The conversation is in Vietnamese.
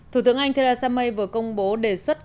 thủ tướng anh theresa may vừa công bố đề xuất